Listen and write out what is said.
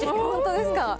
本当ですか？